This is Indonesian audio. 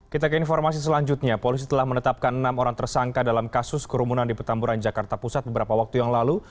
kita ke informasi selanjutnya polisi telah menetapkan enam orang tersangka dalam kasus kerumunan di petamburan jakarta pusat beberapa waktu yang lalu